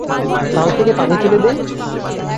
কাল থেকে পানি তুলে দেই।